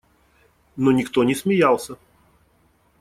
Но никто не смеялся.